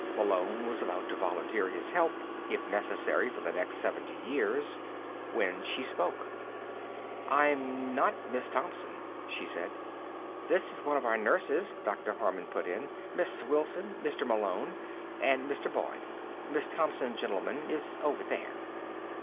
Malone was about to volunteer his help if necessary, for the next seventy years when she spoke. "I'm not Miss Thompson," she said. "This is one of our nurses," Dr. Harman put in. "Miss Wilson, Mr. Malone. And Mr. Boyd. Miss Thompson, gentlemen, is over there."